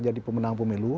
jadi pemenang pemilu